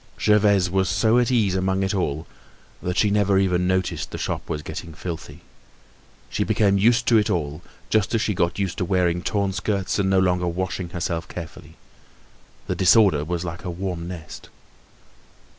Gervaise was so at ease among it all that she never even noticed the shop was getting filthy. She became used to it all, just as she got used to wearing torn skirts and no longer washing herself carefully. The disorder was like a warm nest.